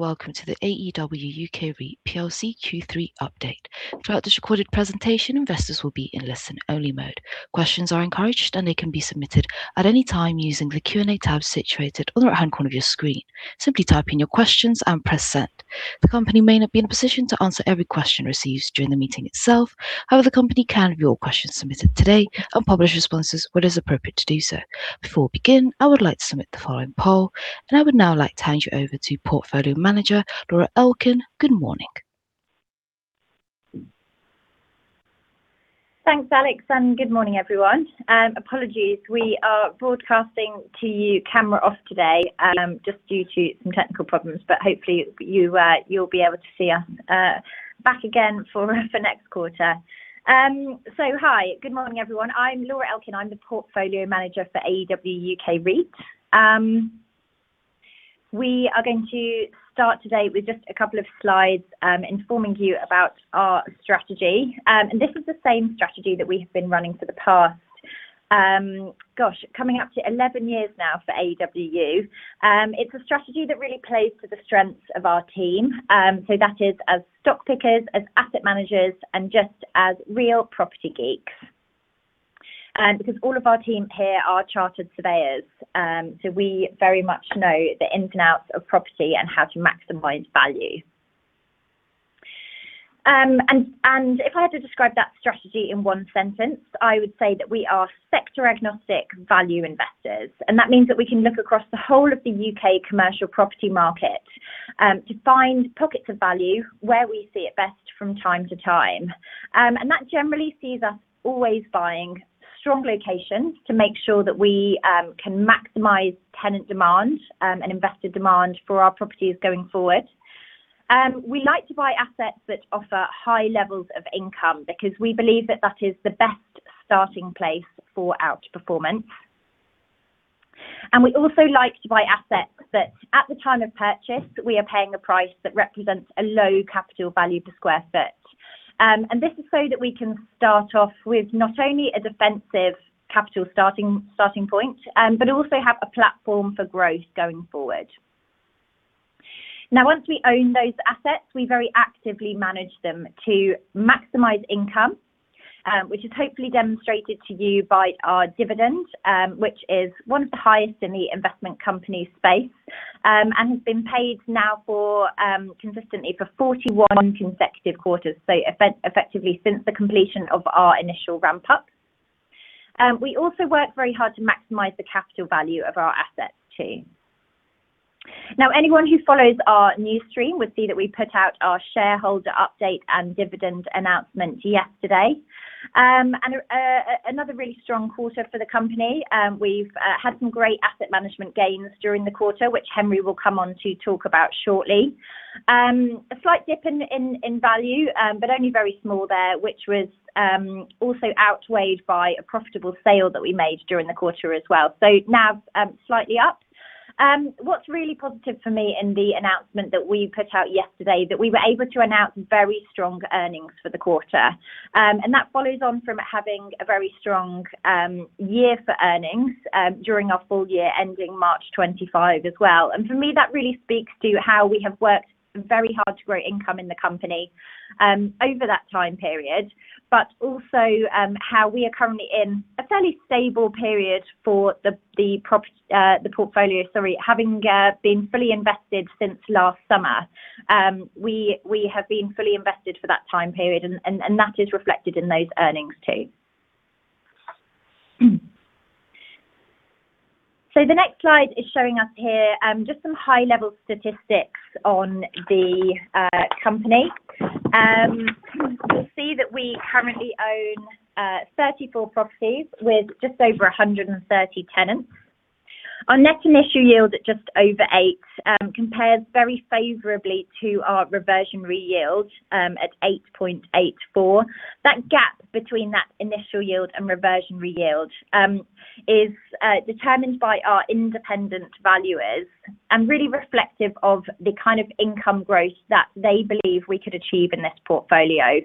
Welcome to the AEW UK REIT plc Q3 update. Throughout this recorded presentation, investors will be in listen-only mode. Questions are encouraged, and they can be submitted at any time using the Q&A tab situated on the right-hand corner of your screen. Simply type in your questions and press Send. The company may not be in a position to answer every question received during the meeting itself, however, the company can review all questions submitted today and publish responses when it is appropriate to do so. Before we begin, I would like to submit the following poll, and I would now like to hand you over to Portfolio Manager, Laura Elkin. Good morning. Thanks, Alex, and good morning, everyone. Apologies, we are broadcasting to you camera off today, just due to some technical problems, but hopefully you, you'll be able to see us, back again for, for next quarter. So hi, good morning, everyone. I'm Laura Elkin. I'm the portfolio manager for AEW UK REIT. We are going to start today with just a couple of slides, informing you about our strategy. And this is the same strategy that we have been running for the past, gosh, coming up to 11 years now for AEW. It's a strategy that really plays to the strengths of our team, so that is as stock pickers, as asset managers, and just as real property geeks. Because all of our team here are chartered surveyors, so we very much know the ins and outs of property and how to maximize value. And if I had to describe that strategy in one sentence, I would say that we are sector-agnostic value investors, and that means that we can look across the whole of the U.K. commercial property market to find pockets of value where we see it best from time to time. And that generally sees us always buying strong locations, to make sure that we can maximize tenant demand and investor demand for our properties going forward. We like to buy assets that offer high levels of income, because we believe that that is the best starting place for outperformance. We also like to buy assets that, at the time of purchase, we are paying a price that represents a low capital value per sq ft. And this is so that we can start off with not only a defensive capital starting point, but also have a platform for growth going forward. Now, once we own those assets, we very actively manage them to maximize income, which is hopefully demonstrated to you by our dividend, which is one of the highest in the investment company space, and has been paid now for consistently for 41 consecutive quarters, so effectively since the completion of our initial ramp-up. We also work very hard to maximize the capital value of our assets, too. Now, anyone who follows our news stream would see that we put out our shareholder update and dividend announcement yesterday. And another really strong quarter for the company, we've had some great asset management gains during the quarter, which Henry will come on to talk about shortly. A slight dip in value, but only very small there, which was also outweighed by a profitable sale that we made during the quarter as well, so NAV slightly up. What's really positive for me in the announcement that we put out yesterday, that we were able to announce very strong earnings for the quarter. And that follows on from having a very strong year for earnings during our full year ending March 2024 as well. For me, that really speaks to how we have worked very hard to grow income in the company, over that time period, but also, how we are currently in a fairly stable period for the portfolio, sorry, having been fully invested since last summer. We have been fully invested for that time period, and that is reflected in those earnings, too. The next slide is showing us here just some high-level statistics on the company. You'll see that we currently own 34 properties with just over 130 tenants. Our net initial yield at just over 8% compares very favorably to our reversionary yield at 8.84%. That gap between that initial yield and reversionary yield is determined by our independent valuers and really reflective of the kind of income growth that they believe we could achieve in this portfolio.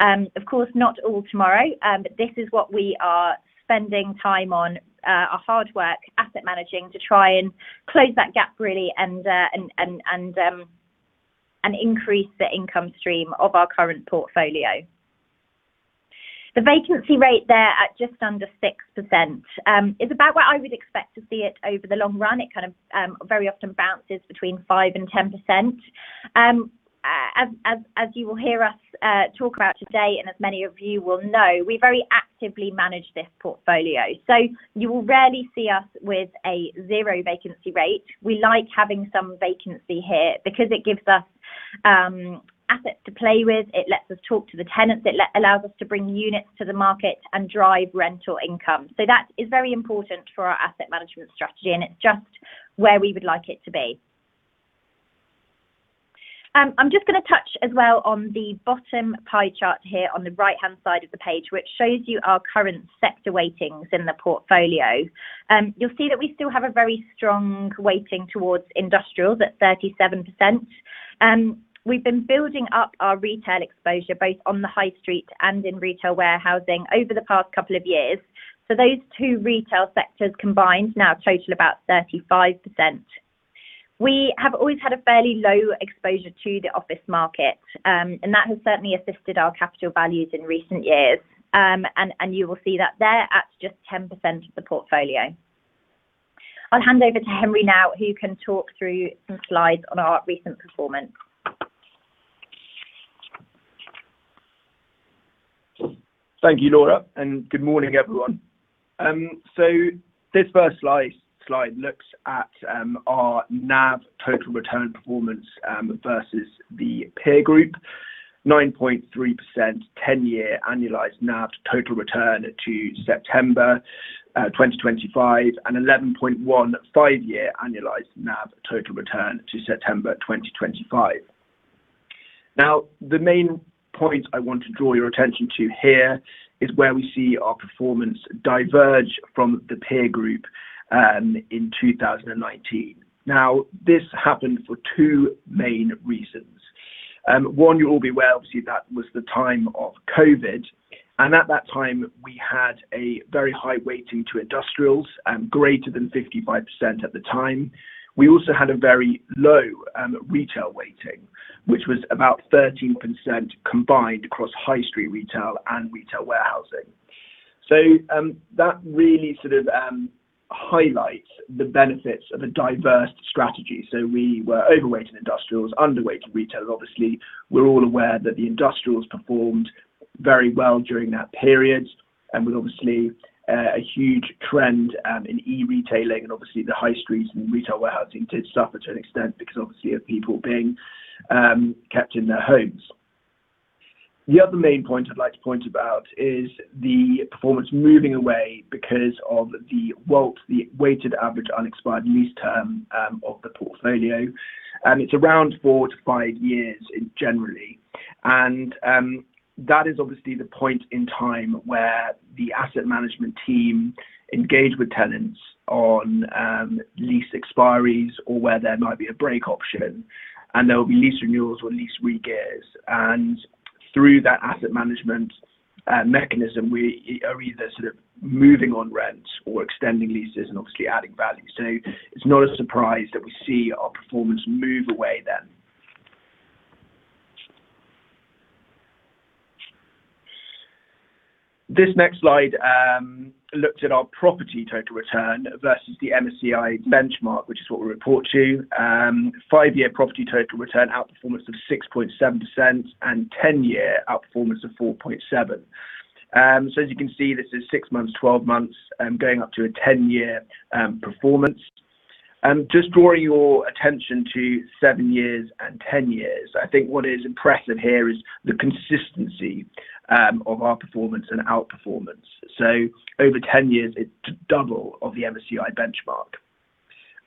Of course, not all tomorrow, but this is what we are spending time on, our hard work, asset managing, to try and close that gap really and increase the income stream of our current portfolio. The vacancy rate there at just under 6% is about where I would expect to see it over the long run. It kind of very often bounces between 5%-10%. As you will hear us talk about today, and as many of you will know, we very actively manage this portfolio, so you will rarely see us with a zero vacancy rate. We like having some vacancy here, because it gives us, assets to play with, it lets us talk to the tenants, it allows us to bring units to the market and drive rental income. So that is very important for our asset management strategy, and it's just where we would like it to be. I'm just gonna touch as well on the bottom pie chart here on the right-hand side of the page, which shows you our current sector weightings in the portfolio. You'll see that we still have a very strong weighting towards industrials at 37%.... We've been building up our retail exposure, both on the high street and in retail warehousing over the past couple of years. So those two retail sectors combined now total about 35%. We have always had a fairly low exposure to the office market, and that has certainly assisted our capital values in recent years. And you will see that there at just 10% of the portfolio. I'll hand over to Henry now, who can talk through some slides on our recent performance. Thank you, Laura, and good morning, everyone. This first slide looks at our NAV total return performance versus the peer group, 9.3% ten-year annualized NAV total return to September 2024, and 11.1% five-year annualized NAV total return to September 2024. Now, the main point I want to draw your attention to here is where we see our performance diverge from the peer group in 2019. Now, this happened for two main reasons. One, you'll all be aware, obviously, that was the time of COVID, and at that time, we had a very high weighting to industrials and greater than 55% at the time. We also had a very low retail weighting, which was about 13% combined across high street retail and retail warehousing. That really sort of highlights the benefits of a diverse strategy. We were overweight in industrials, underweight in retail. Obviously, we're all aware that the industrials performed very well during that period, and with obviously a huge trend in e-retailing and obviously the high streets and retail warehousing did suffer to an extent because obviously of people being kept in their homes. The other main point I'd like to point about is the performance moving away because of the WAULT, the weighted average unexpired lease term of the portfolio, and it's around 4-5 years generally. That is obviously the point in time where the asset management team engage with tenants on lease expiries or where there might be a break option, and there will be lease renewals or lease re-gears. Through that asset management mechanism, we are either sort of moving on rents or extending leases and obviously adding value. So it's not a surprise that we see our performance move away then. This next slide looks at our property total return versus the MSCI benchmark, which is what we report to. Five-year property total return outperformance of 6.7% and 10-year outperformance of 4.7%. So as you can see, this is 6 months, 12 months, going up to a 10-year performance. Just drawing your attention to 7 years and 10 years. I think what is impressive here is the consistency of our performance and outperformance. So over 10 years, it's double of the MSCI benchmark.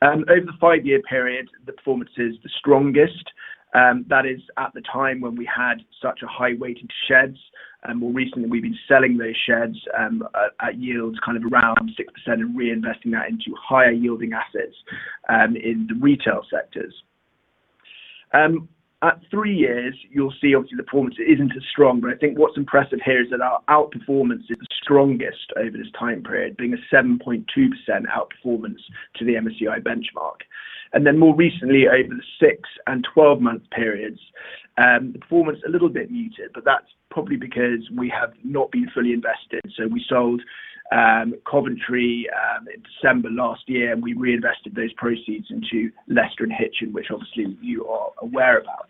Over the 5-year period, the performance is the strongest, that is at the time when we had such a high weighting to sheds, and more recently, we've been selling those sheds, at yields kind of around 6% and reinvesting that into higher-yielding assets, in the retail sectors. At 3 years, you'll see obviously, the performance isn't as strong, but I think what's impressive here is that our outperformance is the strongest over this time period, being a 7.2% outperformance to the MSCI benchmark. And then more recently, over the 6- and 12-month periods, the performance a little bit muted, but that's probably because we have not been fully invested. So we sold Coventry in December last year, and we reinvested those proceeds into Leicester and Hitchin, which obviously you are aware about.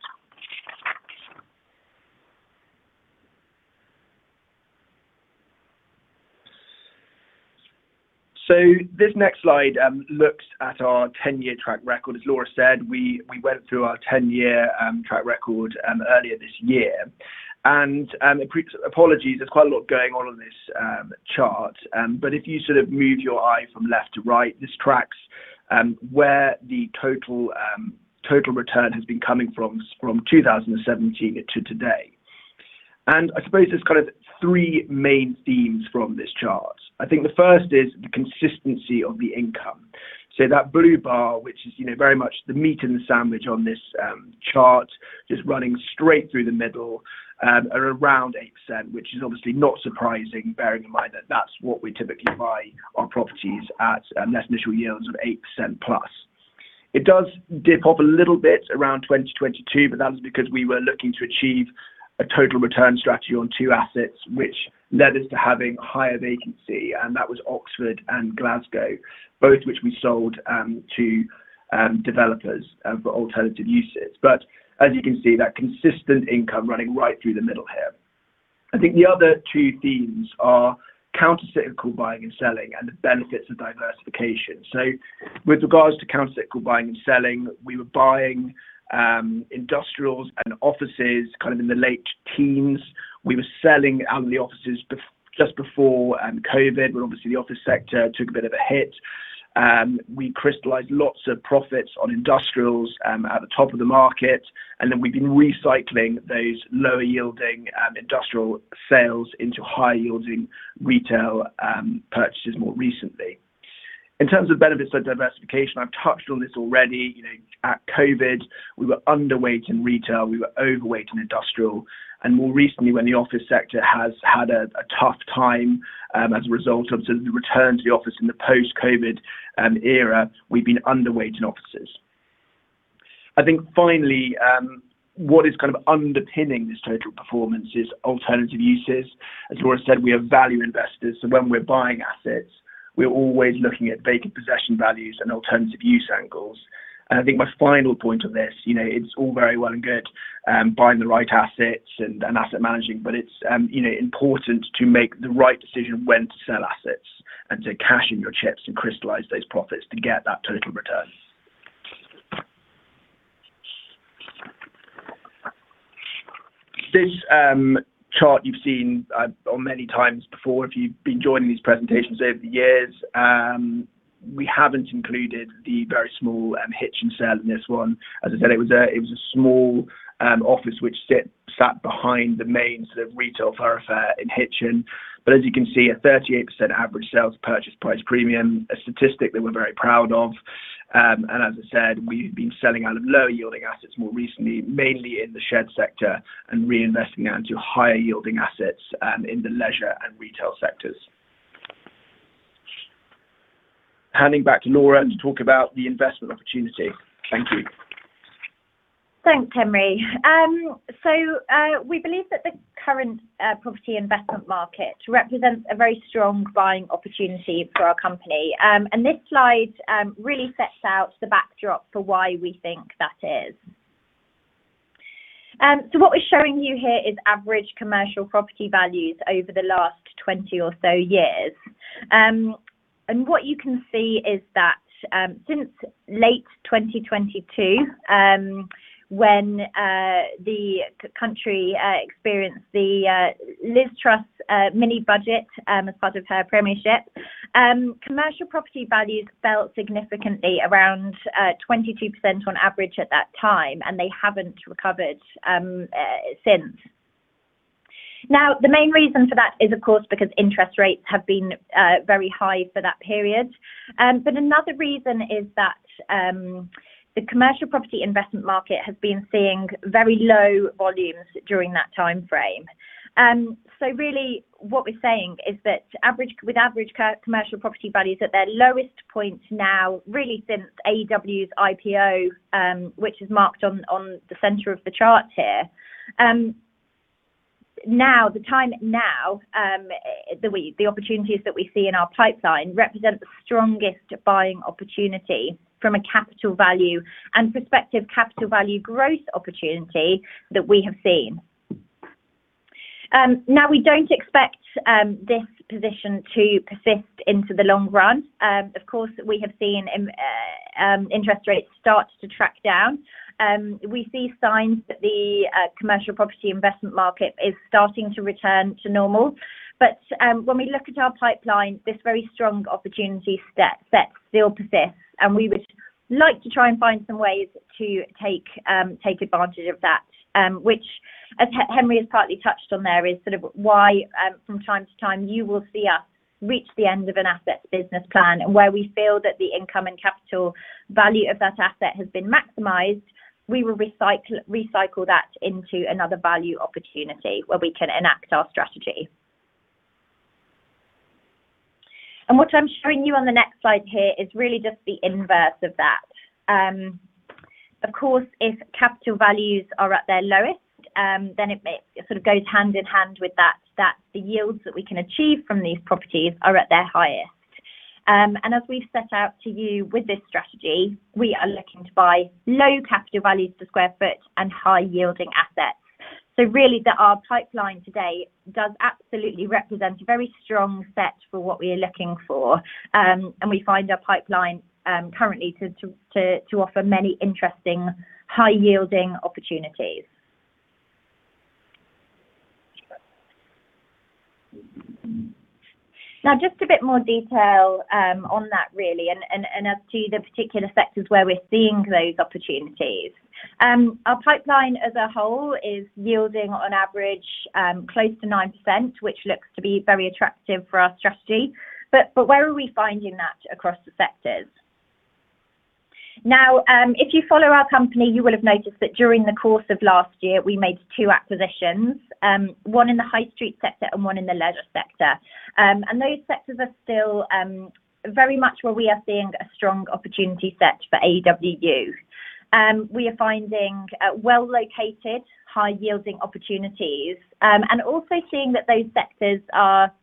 So this next slide looks at our 10-year track record. As Laura said, we, we went through our 10-year track record earlier this year. Apologies, there's quite a lot going on on this chart, but if you sort of move your eye from left to right, this tracks where the total total return has been coming from, from 2017 to today. I suppose there's kind of three main themes from this chart. I think the first is the consistency of the income. So that blue bar, which is, you know, very much the meat in the sandwich on this chart, just running straight through the middle, are around 8%, which is obviously not surprising, bearing in mind that that's what we typically buy our properties at, net initial yields of 8%+. It does dip off a little bit around 2022, but that was because we were looking to achieve a total return strategy on two assets, which led us to having higher vacancy, and that was Oxford and Glasgow, both which we sold to developers for alternative uses. But as you can see, that consistent income running right through the middle here. I think the other two themes are countercyclical buying and selling and the benefits of diversification. So with regards to countercyclical buying and selling, we were buying industrials and offices kind of in the late teens. We were selling out of the offices just before COVID, when obviously the office sector took a bit of a hit. We crystallized lots of profits on industrials at the top of the market, and then we've been recycling those lower-yielding industrial sales into higher-yielding retail purchases more recently. In terms of benefits of diversification, I've touched on this already. You know, at COVID, we were underweight in retail, we were overweight in industrial, and more recently, when the office sector has had a tough time as a result of the return to the office in the post-COVID era, we've been underweight in offices. I think finally, what is kind of underpinning this total performance is alternative uses. As Laura said, we are value investors, so when we're buying assets, we're always looking at vacant possession values and alternative use angles. I think my final point on this, you know, it's all very well and good, buying the right assets and asset managing, but it's, you know, important to make the right decision when to sell assets and to cash in your chips and crystallize those profits to get that total return. This chart you've seen on many times before, if you've been joining these presentations over the years. We haven't included the very small Hitchin sale in this one. As I said, it was a small office which sat behind the main sort of retail thoroughfare in Hitchin. But as you can see, a 38% average sales purchase price premium, a statistic that we're very proud of. As I said, we've been selling out of low-yielding assets more recently, mainly in the shed sector, and reinvesting into higher yielding assets, in the leisure and retail sectors. Handing back to Laura to talk about the investment opportunity. Thank you. Thanks, Henry. So, we believe that the current property investment market represents a very strong buying opportunity for our company. And this slide really sets out the backdrop for why we think that is. So what we're showing you here is average commercial property values over the last 20 or so years. And what you can see is that, since late 2022, when the country experienced the Liz Truss mini budget, as part of her premiership, commercial property values fell significantly around 22% on average at that time, and they haven't recovered since. Now, the main reason for that is, of course, because interest rates have been very high for that period. But another reason is that the commercial property investment market has been seeing very low volumes during that timeframe. So really what we're saying is that average commercial property values at their lowest point now, really since AEW's IPO, which is marked on the center of the chart here. Now, the time now, the opportunities that we see in our pipeline represent the strongest buying opportunity from a capital value and prospective capital value growth opportunity that we have seen. Now we don't expect this position to persist into the long run. Of course, we have seen interest rates start to track down. We see signs that the commercial property investment market is starting to return to normal, but when we look at our pipeline, this very strong opportunity set still persists, and we would like to try and find some ways to take advantage of that. Which as Henry has partly touched on there, is sort of why from time to time, you will see us reach the end of an asset's business plan, and where we feel that the income and capital value of that asset has been maximized, we will recycle that into another value opportunity where we can enact our strategy. And what I'm showing you on the next slide here is really just the inverse of that. Of course, if capital values are at their lowest, then it may, it sort of goes hand in hand with that, that the yields that we can achieve from these properties are at their highest. As we've set out to you with this strategy, we are looking to buy low capital values per sq ft and high yielding assets. So really, our pipeline today does absolutely represent a very strong set for what we are looking for, and we find our pipeline currently to offer many interesting high-yielding opportunities. Now, just a bit more detail on that really, as to the particular sectors where we're seeing those opportunities. Our pipeline as a whole is yielding on average close to 9%, which looks to be very attractive for our strategy. But where are we finding that across the sectors? Now, if you follow our company, you will have noticed that during the course of last year, we made two acquisitions, one in the high street sector and one in the leisure sector. Those sectors are still very much where we are seeing a strong opportunity set for AEW. We are finding well-located, high-yielding opportunities, and also seeing that those sectors are,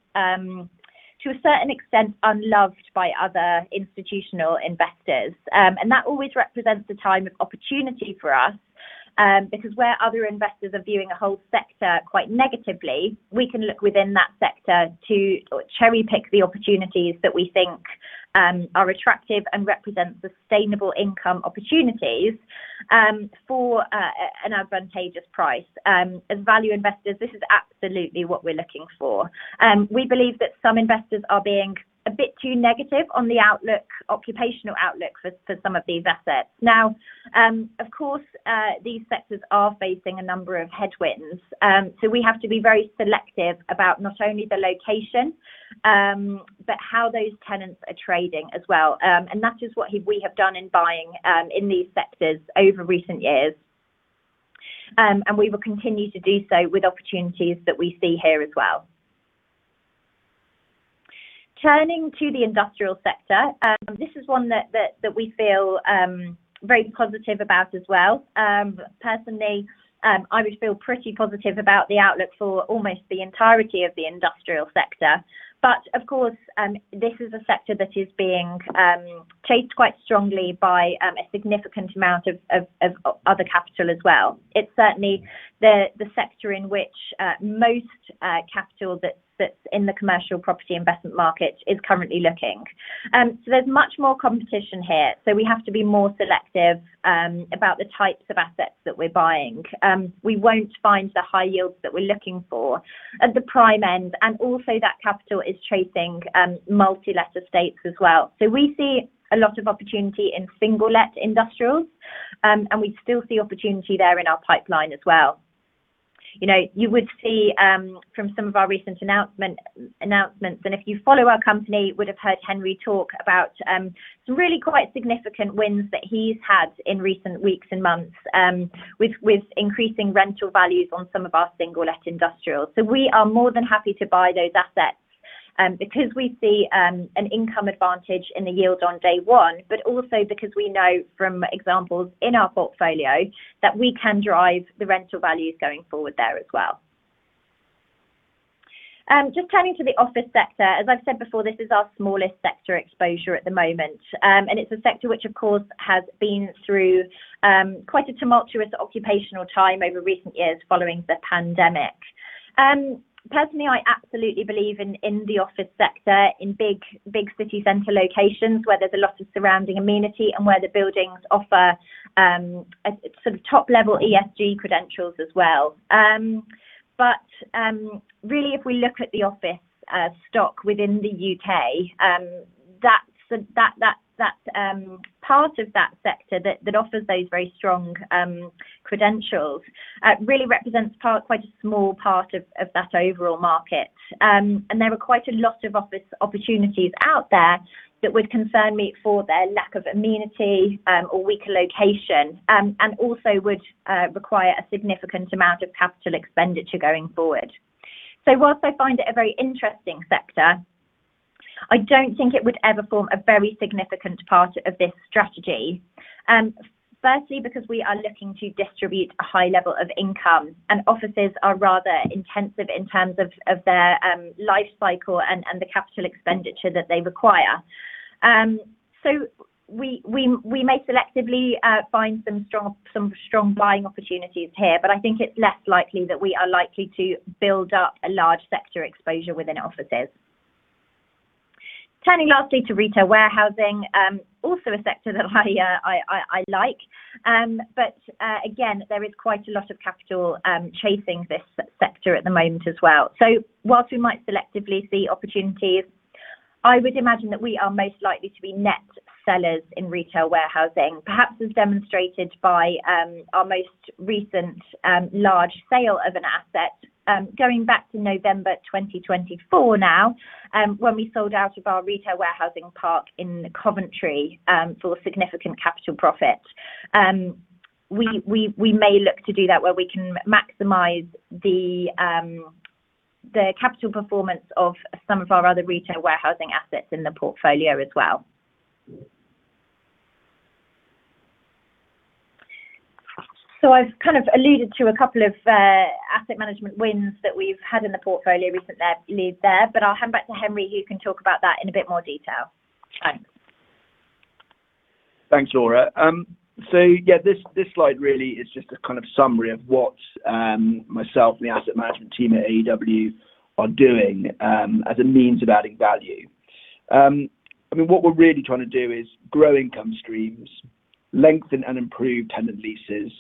to a certain extent, unloved by other institutional investors. That always represents a time of opportunity for us, because where other investors are viewing a whole sector quite negatively, we can look within that sector to cherry-pick the opportunities that we think are attractive and represent sustainable income opportunities for an advantageous price. As value investors, this is absolutely what we're looking for. We believe that some investors are being a bit too negative on the outlook, occupational outlook for some of these assets. Now, of course, these sectors are facing a number of headwinds, so we have to be very selective about not only the location, but how those tenants are trading as well. And that is what we have done in buying in these sectors over recent years. And we will continue to do so with opportunities that we see here as well. Turning to the industrial sector, this is one that we feel very positive about as well. Personally, I would feel pretty positive about the outlook for almost the entirety of the industrial sector. But of course, this is a sector that is being chased quite strongly by a significant amount of other capital as well. It's certainly the sector in which most capital that's in the commercial property investment market is currently looking. So there's much more competition here, so we have to be more selective about the types of assets that we're buying. We won't find the high yields that we're looking for at the prime end, and also that capital is chasing multi-let estates as well. So we see a lot of opportunity in single-let industrials, and we still see opportunity there in our pipeline as well. You know, you would see from some of our recent announcement, announcements, and if you follow our company, would have heard Henry talk about some really quite significant wins that he's had in recent weeks and months with increasing rental values on some of our single-let industrials. So we are more than happy to buy those assets because we see an income advantage in the yield on day one, but also because we know from examples in our portfolio, that we can drive the rental values going forward there as well. Just turning to the office sector, as I've said before, this is our smallest sector exposure at the moment. And it's a sector which, of course, has been through quite a tumultuous occupational time over recent years following the pandemic. Personally, I absolutely believe in the office sector in big city center locations, where there's a lot of surrounding amenity and where the buildings offer a sort of top-level ESG credentials as well. But really, if we look at the office stock within the U.K., that's the part of that sector that offers those very strong credentials really represents quite a small part of that overall market. And there are quite a lot of office opportunities out there that would concern me for their lack of amenity or weaker location and also would require a significant amount of capital expenditure going forward. So while I find it a very interesting sector, I don't think it would ever form a very significant part of this strategy. Firstly, because we are looking to distribute a high level of income, and offices are rather intensive in terms of their life cycle and the capital expenditure that they require. So we may selectively find some strong buying opportunities here, but I think it's less likely that we are likely to build up a large sector exposure within offices. Turning lastly to retail warehousing, also a sector that I like. But again, there is quite a lot of capital chasing this sector at the moment as well. So whilst we might selectively see opportunities, I would imagine that we are most likely to be net sellers in retail warehousing. Perhaps as demonstrated by our most recent large sale of an asset, going back to November 2024 now, when we sold out of our retail warehousing park in Coventry, for a significant capital profit. We may look to do that where we can maximize the capital performance of some of our other retail warehousing assets in the portfolio as well. So I've kind of alluded to a couple of asset management wins that we've had in the portfolio recently there, but I'll hand back to Henry, who can talk about that in a bit more detail. Thanks. Thanks, Laura. So yeah, this, this slide really is just a kind of summary of what myself and the asset management team at AEW are doing as a means of adding value. I mean, what we're really trying to do is grow income streams, lengthen and improve tenant leases,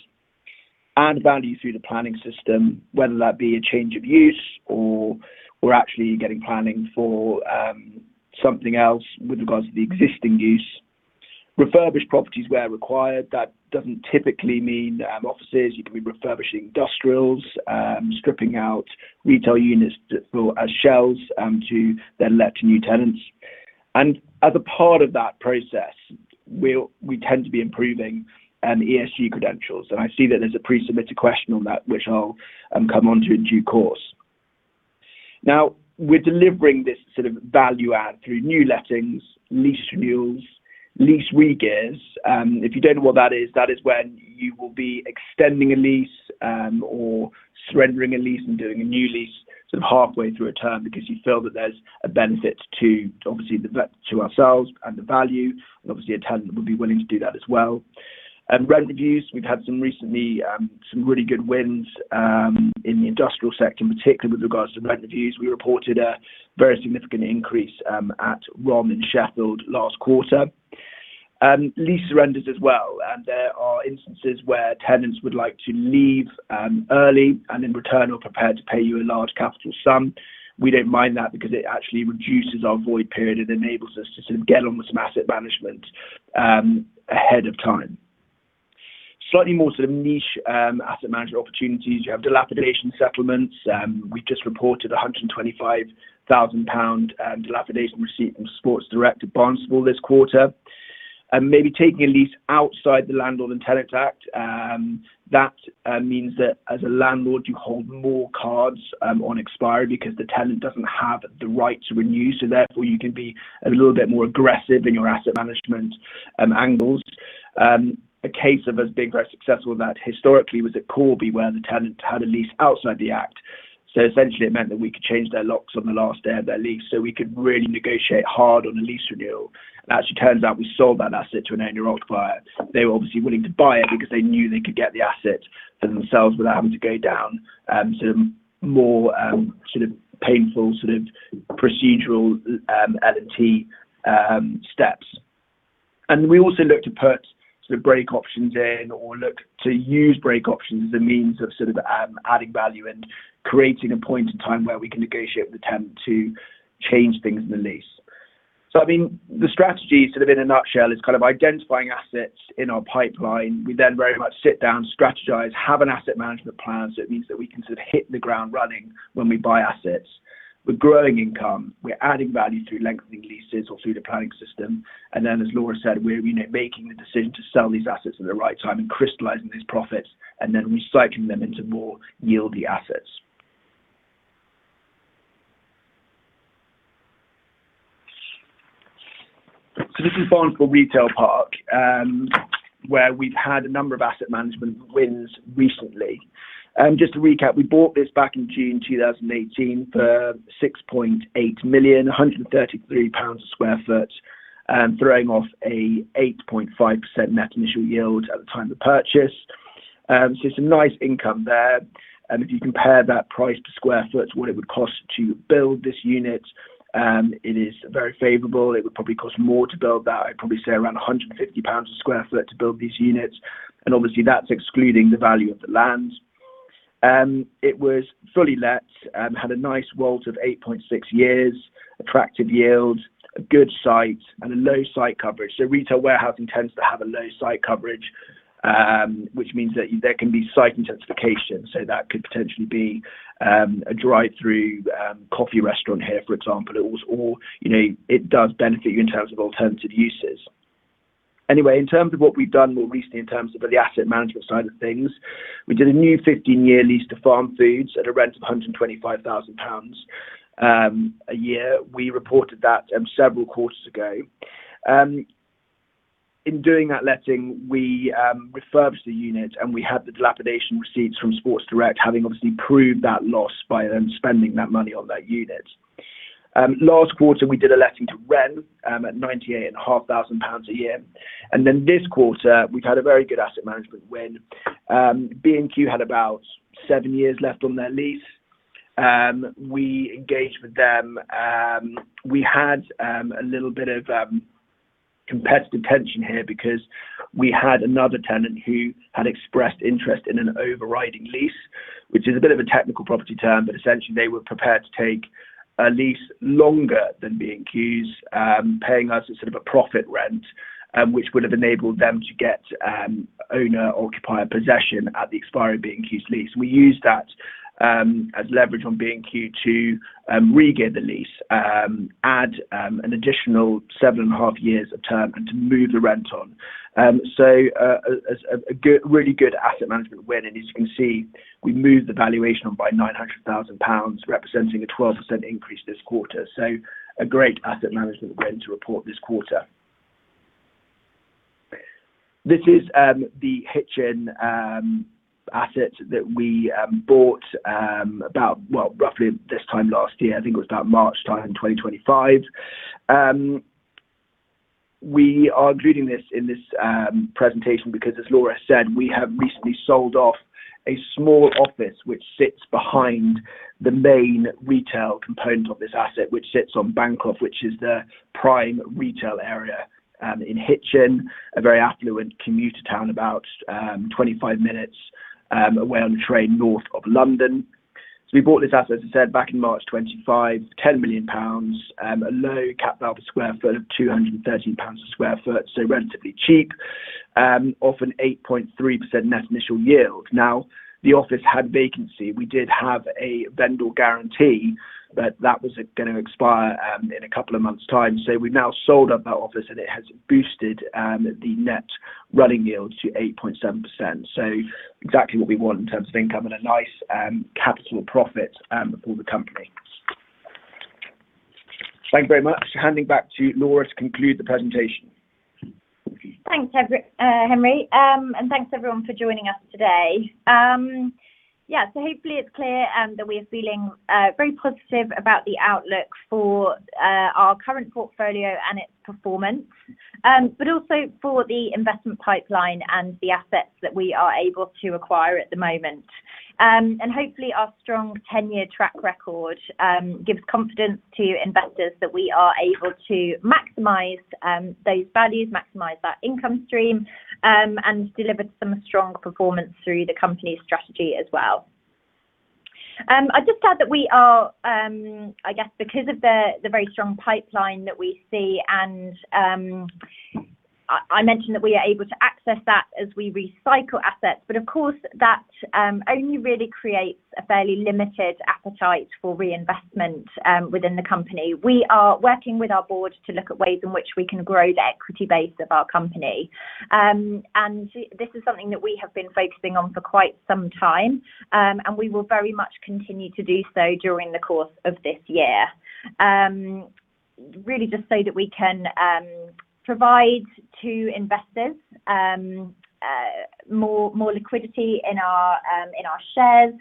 add value through the planning system, whether that be a change of use or we're actually getting planning for something else with regards to the existing use. Refurbish properties where required. That doesn't typically mean offices. You could be refurbishing industrials, stripping out retail units to as shells to then let to new tenants. And as a part of that process, we tend to be improving ESG credentials, and I see that there's a pre-submitted question on that, which I'll come on to in due course. Now, we're delivering this sort of value add through new lettings, lease renewals, lease regears. If you don't know what that is, that is when you will be extending a lease, or surrendering a lease and doing a new lease sort of halfway through a term because you feel that there's a benefit to obviously to ourselves and the value, and obviously, a tenant would be willing to do that as well. Rent reviews, we've had some recently, some really good wins, in the industrial sector, in particular with regards to rent reviews. We reported a very significant increase, at Rom in Sheffield last quarter. Lease surrenders as well, and there are instances where tenants would like to leave, early, and in return are prepared to pay you a large capital sum. We don't mind that because it actually reduces our void period and enables us to sort of get on with some asset management ahead of time. Slightly more sort of niche asset management opportunities. You have dilapidation settlements. We've just reported 125 thousand pound dilapidation receipt from Sports Direct at Barnstaple this quarter. Maybe taking a lease outside the Landlord and Tenant Act that means that as a landlord, you hold more cards on expiry because the tenant doesn't have the right to renew, so therefore, you can be a little bit more aggressive in your asset management angles. A case of us being very successful with that historically was at Corby, where the tenant had a lease outside the Act. So essentially, it meant that we could change their locks on the last day of their lease, so we could really negotiate hard on the lease renewal. And actually, it turns out we sold that asset to an owner-occupier client. They were obviously willing to buy it because they knew they could get the asset for themselves without having to go down some more, sort of painful, sort of procedural L&T steps. And we also looked to put some break options in or look to use break options as a means of sort of adding value and creating a point in time where we can negotiate with the tenant to change things in the lease. So I mean, the strategy, sort of in a nutshell, is kind of identifying assets in our pipeline. We then very much sit down, strategize, have an asset management plan, so it means that we can sort of hit the ground running when we buy assets. We're growing income, we're adding value through lengthening leases or through the planning system, and then, as Laura said, we're, you know, making the decision to sell these assets at the right time and crystallizing these profits, and then recycling them into more yield-y assets. So this is Barnstaple Retail Park, where we've had a number of asset management wins recently. Just to recap, we bought this back in June 2018 for 6.8 million, 133 pounds per sq ft, throwing off an 8.5% net initial yield at the time of purchase. So it's a nice income there, and if you compare that price per sq ft to what it would cost to build this unit, it is very favorable. It would probably cost more to build that. I'd probably say around 150 pounds/sq ft to build these units, and obviously, that's excluding the value of the land. It was fully let, had a nice WAULT of 8.6 years, attractive yield, a good site, and a low site coverage. So retail warehousing tends to have a low site coverage, which means that there can be site intensification. So that could potentially be a drive-through coffee restaurant here, for example. It was all. You know, it does benefit you in terms of alternative uses. Anyway, in terms of what we've done more recently, in terms of the asset management side of things, we did a new 15-year lease to Farmfoods at a rent of 125,000 pounds a year. We reported that, several quarters ago. In doing that letting, we, refurbished the unit, and we had the dilapidation receipts from Sports Direct, having obviously proved that loss by them spending that money on that unit. Last quarter, we did a letting to Wren, at 98,500 pounds a year. And then this quarter, we've had a very good asset management win. B&Q had about seven years left on their lease. We engaged with them. We had a little bit of competitive tension here because we had another tenant who had expressed interest in an overriding lease, which is a bit of a technical property term, but essentially, they were prepared to take a lease longer than B&Q's, paying us a sort of a profit rent, which would have enabled them to get owner-occupier possession at the expiry of B&Q's lease. We used that as leverage on B&Q to regain the lease, add an additional 7.5 years of term, and to move the rent on. So a really good asset management win, and as you can see, we moved the valuation on by 900,000 pounds, representing a 12% increase this quarter. A great asset management win to report this quarter. This is the Hitchin asset that we bought about, well, roughly this time last year. I think it was about March time in 2025. We are including this in this presentation because, as Laura said, we have recently sold off a small office which sits behind the main retail component of this asset, which sits on Bancroft, which is the prime retail area in Hitchin, a very affluent commuter town, about 25 minutes away on the train north of London. So we bought this asset, as I said, back in March 2024, 10 million pounds, a low capital per sq ft of 230 pounds a sq ft, so relatively cheap, off an 8.3% net initial yield. Now, the office had vacancy. We did have a vendor guarantee, but that was gonna expire in a couple of months' time. So we've now sold off that office, and it has boosted the net running yield to 8.7%. So exactly what we want in terms of income and a nice capital profit for the company. Thank you very much. Handing back to Laura to conclude the presentation. Thanks, Henry, and thanks, everyone, for joining us today. Yeah, so hopefully it's clear that we are feeling very positive about the outlook for our current portfolio and its performance, but also for the investment pipeline and the assets that we are able to acquire at the moment. And hopefully, our strong 10-year track record gives confidence to investors that we are able to maximize those values, maximize that income stream, and deliver some strong performance through the company's strategy as well. I just add that we are, I guess, because of the very strong pipeline that we see, and I mentioned that we are able to access that as we recycle assets. But of course, that only really creates a fairly limited appetite for reinvestment within the company. We are working with our board to look at ways in which we can grow the equity base of our company. This is something that we have been focusing on for quite some time, and we will very much continue to do so during the course of this year. Really just so that we can provide to investors more liquidity in our shares,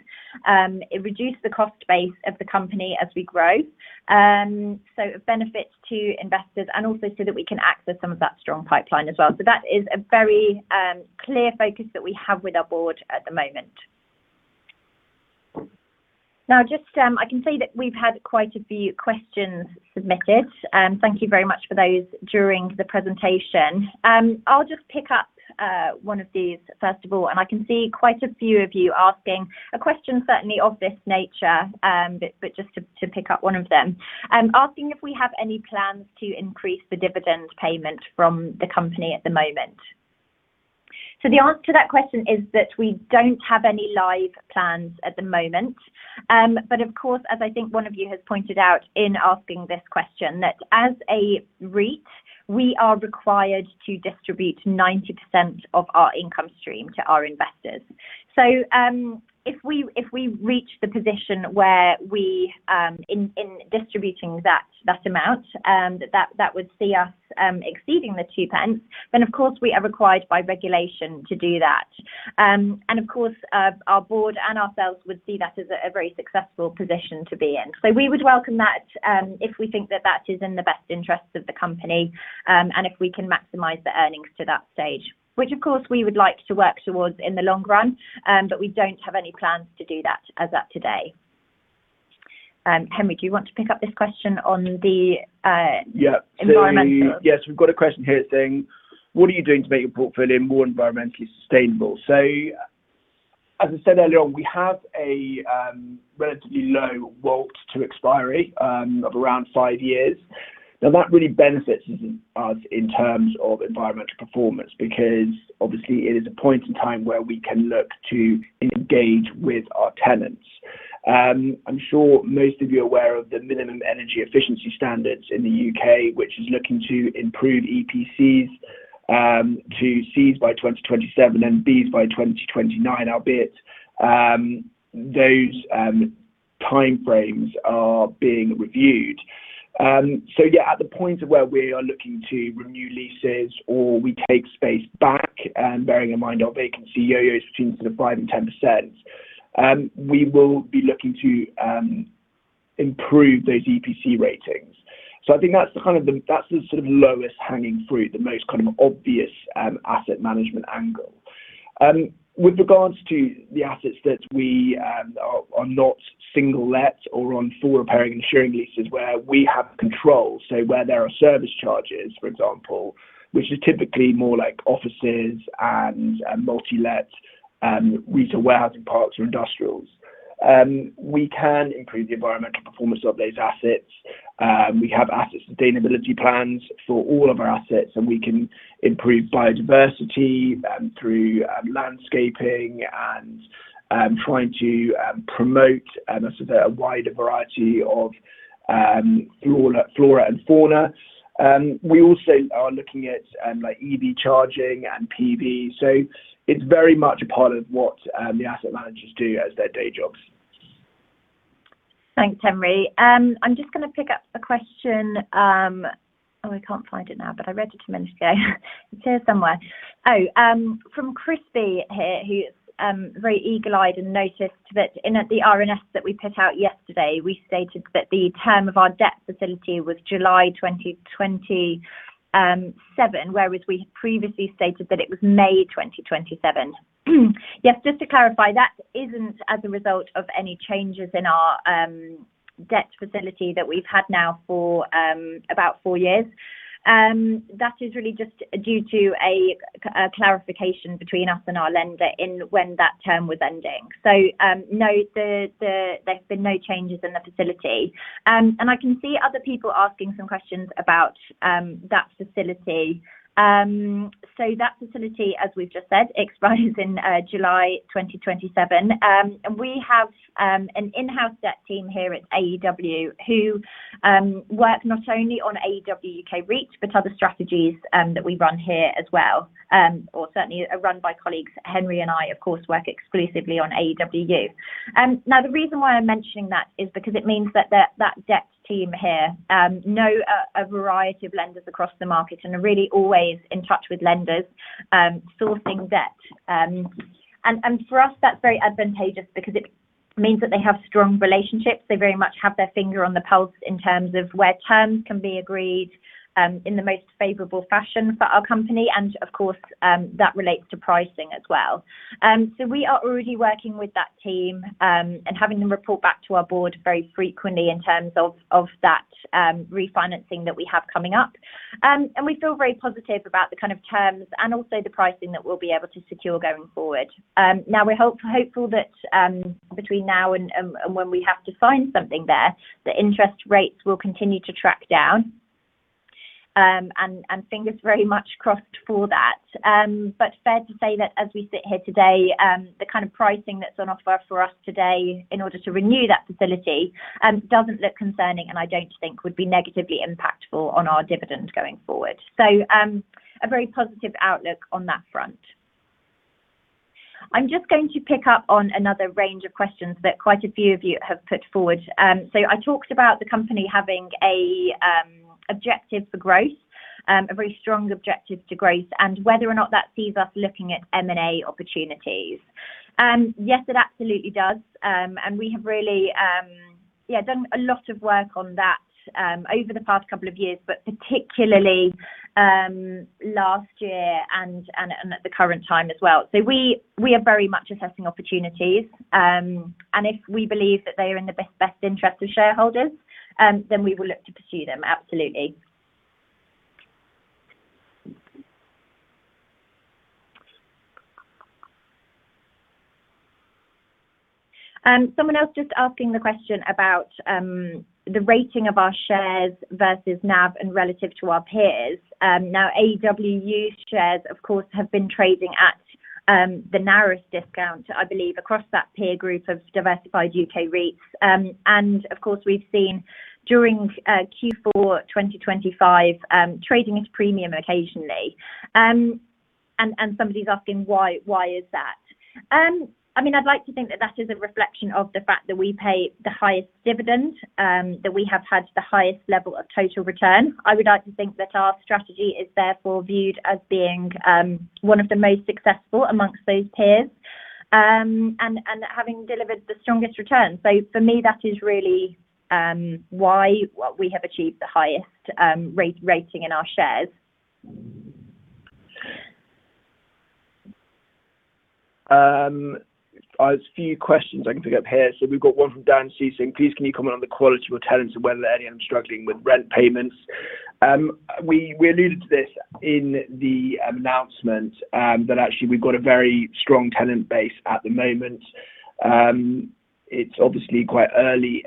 it reduces the cost base of the company as we grow. So it benefits to investors and also so that we can access some of that strong pipeline as well. So that is a very clear focus that we have with our board at the moment. Now, just I can see that we've had quite a few questions submitted, thank you very much for those during the presentation. I'll just pick up one of these first of all, and I can see quite a few of you asking a question certainly of this nature, but just to pick up one of them. I'm asking if we have any plans to increase the dividend payment from the company at the moment? So the answer to that question is that we don't have any live plans at the moment. But of course, as I think one of you has pointed out in asking this question, that as a REIT, we are required to distribute 90% of our income stream to our investors. So, if we reach the position where we in distributing that amount, that would see us exceeding the 0.02, then of course, we are required by regulation to do that. And of course, our board and ourselves would see that as a, a very successful position to be in. So we would welcome that, if we think that that is in the best interest of the company, and if we can maximize the earnings to that stage, which, of course, we would like to work towards in the long run, but we don't have any plans to do that as at today. Henry, do you want to pick up this question on the, Yeah- Environmental? So, yes, we've got a question here saying: What are you doing to make your portfolio more environmentally sustainable? So as I said earlier on, we have a relatively low WAULT to expiry of around five years. Now, that really benefits us, us in terms of environmental performance, because obviously it is a point in time where we can look to engage with our tenants. I'm sure most of you are aware of the minimum energy efficiency standards in the U.K., which is looking to improve EPCs to Cs by 2027 and Bs by 2029, albeit those time frames are being reviewed. So yeah, at the point of where we are looking to renew leases or we take space back, and bearing in mind our vacancy yo-yo between sort of 5% and 10%, we will be looking to improve those EPC ratings. So I think that's the sort of lowest hanging fruit, the most kind of obvious asset management angle. With regards to the assets that we are not single lets or on full repairing and insuring leases where we have control, so where there are service charges, for example, which is typically more like offices and multi-lets, retail warehousing parks or industrials. We can improve the environmental performance of those assets. We have asset sustainability plans for all of our assets, and we can improve biodiversity through landscaping and trying to promote a sort of a wider variety of flora and fauna. We also are looking at, like, EV charging and PV. So it's very much a part of what the asset managers do as their day jobs. Thanks, Henry. I'm just gonna pick up a question... Oh, I can't find it now, but I read it a minute ago. It's here somewhere. Oh, from Crispy here, who's very eagle-eyed and noticed that in the RNS that we put out yesterday, we stated that the term of our debt facility was July 2027, whereas we had previously stated that it was May 2027. Yes, just to clarify, that isn't as a result of any changes in our debt facility that we've had now for about 4 years. That is really just due to a clarification between us and our lender in when that term was ending. So, no, there's been no changes in the facility. And I can see other people asking some questions about that facility. So that facility, as we've just said, expires in July 2027. And we have an in-house debt team here at AEW who work not only on AEW UK REIT, but other strategies that we run here as well, or certainly are run by colleagues. Henry and I, of course, work exclusively on AEWU. Now, the reason why I'm mentioning that is because it means that that debt team here know a variety of lenders across the market and are really always in touch with lenders, sourcing debt. And for us, that's very advantageous because it means that they have strong relationships. They very much have their finger on the pulse in terms of where terms can be agreed in the most favorable fashion for our company, and of course, that relates to pricing as well. So we are already working with that team, and having them report back to our board very frequently in terms of that refinancing that we have coming up. And we feel very positive about the kind of terms and also the pricing that we'll be able to secure going forward. Now we're hopeful that, between now and when we have to sign something there, the interest rates will continue to track down. And fingers very much crossed for that. But fair to say that as we sit here today, the kind of pricing that's on offer for us today in order to renew that facility, doesn't look concerning, and I don't think would be negatively impactful on our dividend going forward. So, a very positive outlook on that front. I'm just going to pick up on another range of questions that quite a few of you have put forward. So I talked about the company having a objective for growth, a very strong objective to growth, and whether or not that sees us looking at M&A opportunities. Yes, it absolutely does. And we have really, yeah, done a lot of work on that, over the past couple of years, but particularly, last year and at the current time as well. So we are very much assessing opportunities. And if we believe that they are in the best interest of shareholders, then we will look to pursue them. Absolutely. Someone else just asking the question about the rating of our shares versus NAV and relative to our peers. Now, AEW shares, of course, have been trading at the narrowest discount, I believe, across that peer group of diversified UK REITs. And of course, we've seen during Q4 2024, trading at a premium occasionally. And somebody's asking: Why is that? I mean, I'd like to think that that is a reflection of the fact that we pay the highest dividend that we have had the highest level of total return. I would like to think that our strategy is therefore viewed as being one of the most successful amongst those peers, and having delivered the strongest return. So for me, that is really why we have achieved the highest rating in our shares. There's a few questions I can pick up here. So we've got one from Dan C saying: Please, can you comment on the quality of your tenants and whether any of them are struggling with rent payments? We alluded to this in the announcement, that actually, we've got a very strong tenant base at the moment. It's obviously quite early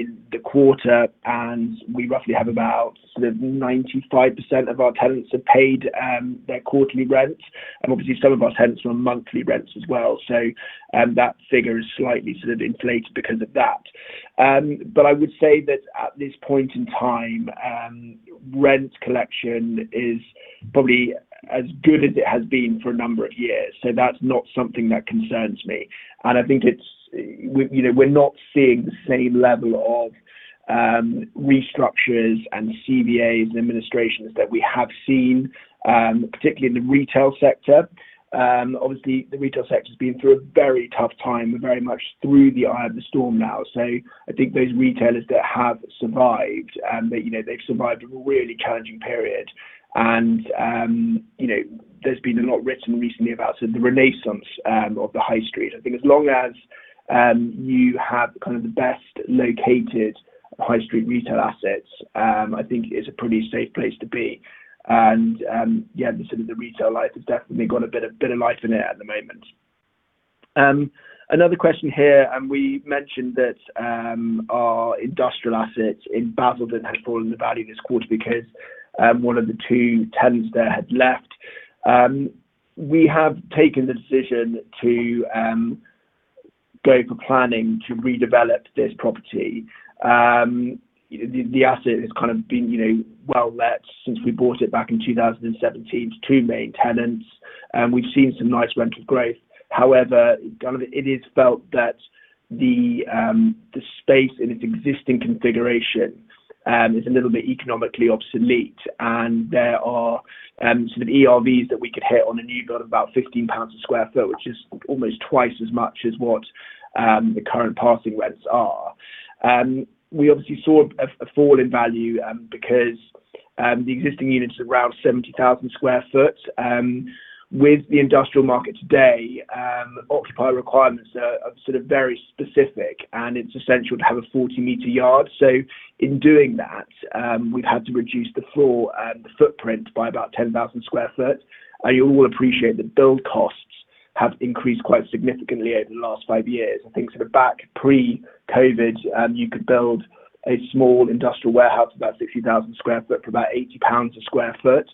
in the quarter, and we roughly have about sort of 95% of our tenants have paid their quarterly rents, and obviously, some of our tenants are on monthly rents as well. So, that figure is slightly sort of inflated because of that. But I would say that at this point in time, rent collection is probably as good as it has been for a number of years, so that's not something that concerns me. I think it's you know, we're not seeing the same level of restructures and CVAs and administrations that we have seen, particularly in the retail sector. Obviously, the retail sector's been through a very tough time and very much through the eye of the storm now. So I think those retailers that have survived, they, you know, they've survived a really challenging period. You know, there's been a lot written recently about the renaissance of the high street. I think as long as you have kind of the best-located high street retail assets, I think it's a pretty safe place to be. Yeah, the sort of the retail life has definitely got a bit of, bit of life in it at the moment. Another question here, and we mentioned that our industrial assets in Basildon had fallen in value this quarter because one of the two tenants there had left. We have taken the decision to go for planning to redevelop this property. The asset has kind of been, you know, well let since we bought it back in 2017 to two main tenants, and we've seen some nice rental growth. However, kind of it is felt that the space in its existing configuration is a little bit economically obsolete, and there are sort of ERVs that we could hit on a new build, about 15 pounds a sq ft, which is almost twice as much as what the current passing rents are. We obviously saw a fall in value, because the existing units are around 70,000 sq ft. With the industrial market today, occupier requirements are sort of very specific, and it's essential to have a 40-meter yard. So in doing that, we've had to reduce the floor footprint by about 10,000 sq ft. And you will appreciate that build costs have increased quite significantly over the last 5 years. I think sort of back pre-COVID, you could build a small industrial warehouse, about 60,000 sq ft for about 80 pounds a sq ft.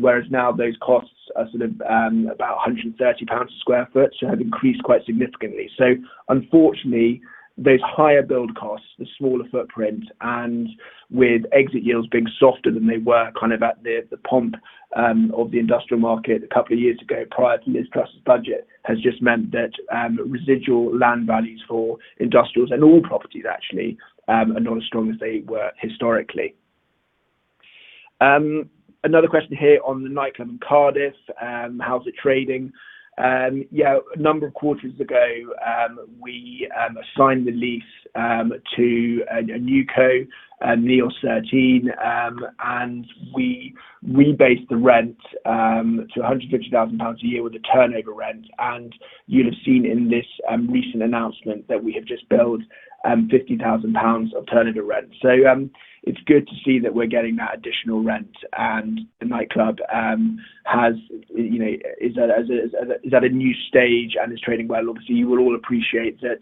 Whereas now those costs are sort of about 130 pounds a sq ft, so have increased quite significantly. So unfortunately, those higher build costs, the smaller footprint, and with exit yields being softer than they were kind of at the peak of the industrial market a couple of years ago, prior to this Truss budget, has just meant that, residual land values for industrials and all properties actually, are not as strong as they were historically. Another question here on the nightclub in Cardiff, how's it trading? Yeah, a number of quarters ago, we assigned the lease to a NewCo, Neos 13, and we rebased the rent to 150,000 pounds a year with a turnover rent. And you'll have seen in this recent announcement that we have just built up 50,000 pounds of additional rent. It's good to see that we're getting that additional rent, and the nightclub, you know, is at a new stage, and it's trading well. Obviously, you will all appreciate that,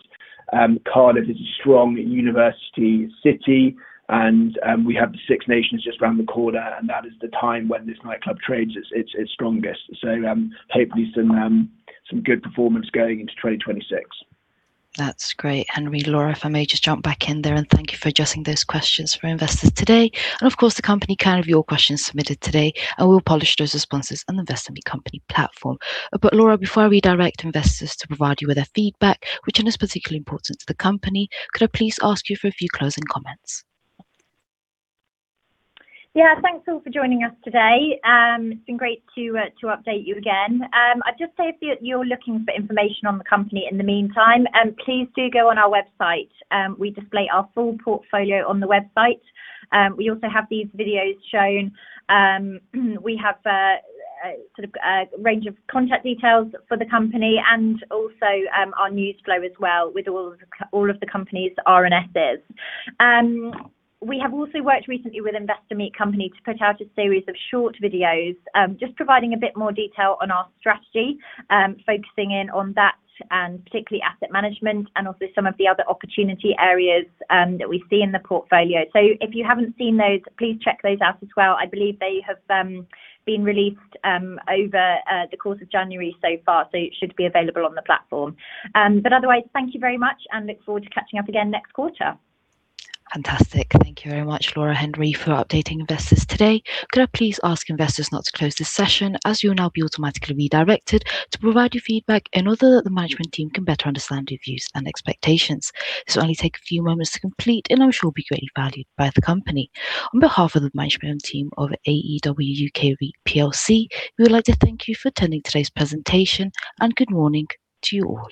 Cardiff is a strong university city, and we have the Six Nations just around the corner, and that is the time when this nightclub trades its strongest. Hopefully some good performance going into 2026. That's great, Henry. Laura, if I may just jump back in there, and thank you for addressing those questions for investors today. Of course, the company can have your questions submitted today, and we'll publish those responses on the Investor Meet Company platform. But Laura, before I redirect investors to provide you with their feedback, which is particularly important to the company, could I please ask you for a few closing comments? Yeah. Thanks, all, for joining us today. It's been great to update you again. I'd just say if you're looking for information on the company in the meantime, please do go on our website. We display our full portfolio on the website. We also have these videos shown. We have a sort of range of contact details for the company and also our news flow as well, with all of the company's RNSs. We have also worked recently with Investor Meet Company to put out a series of short videos, just providing a bit more detail on our strategy, focusing in on that, and particularly asset management, and also some of the other opportunity areas, that we see in the portfolio. So if you haven't seen those, please check those out as well. I believe they have been released over the course of January so far, so it should be available on the platform. But otherwise, thank you very much, and look forward to catching up again next quarter. Fantastic. Thank you very much, Laura and Henry, for updating investors today. Could I please ask investors not to close this session, as you will now be automatically redirected to provide your feedback and so that the management team can better understand your views and expectations. This will only take a few moments to complete, and I'm sure will be greatly valued by the company. On behalf of the management team of AEW UK REIT plc, we would like to thank you for attending today's presentation, and good morning to you all.